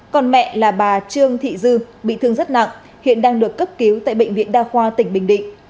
còn mẹ là bà trương thị dư bị thương rất nặng hiện đang được cấp cứu tại bệnh viện đa khoa tỉnh bình định